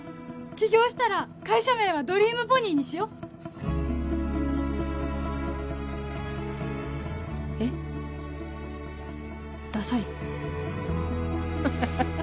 起業したら会社名はドリームポニーにしようえっ？ダサい？